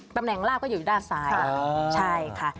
ตำแหน่งลาบก็อยู่ด้านซ้าย